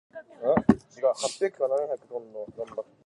He has one daughter, Lillith.